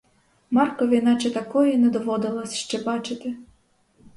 Маркові наче такої не доводилось ще бачити.